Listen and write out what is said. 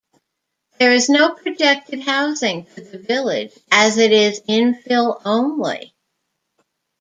There is no projected housing for the village as it is infill only.